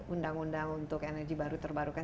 undang undang untuk energi baru terbarukan